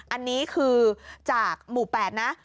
อันนี้คือจากหมู่๘นะ